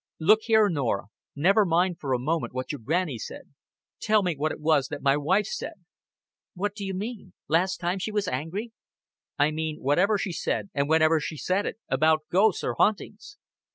"Look here, Norah, never mind for a moment what your Granny said. Tell me what it was that my wife said." "When do you mean? Last time she was angry?" "I mean, whatever she said and whenever she said it about ghosts or hauntings."